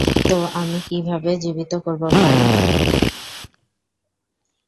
তো আমি কিভাবে জীবিত করবো ভাই?